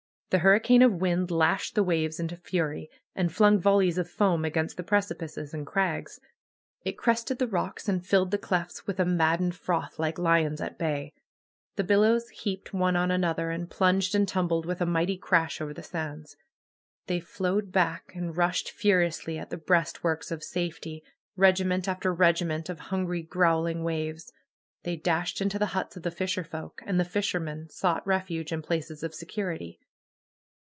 The hurricane of wind lashed the waves into fury, and flung volleys of foam against the precipices and crags. It crested the rocks and filled the clefts with a maddened froth, like lions at bay. The billows heaped one on another, and plunged and tumbled with a mighty crash over the sands. They flowed back, and 13A THE KNELL OF NAT PAGAN rushed furiously at the breastworks of safety, regiment after regiment of hungry, growling waves. They dashed into the huts of the fisherfolk. And the fishermen sought refuge in places of security.